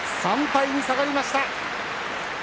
３敗に下がりました。